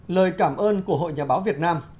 lời cảm ơn của hội nhà báo việt nam